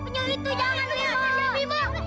aku juga belum ketemu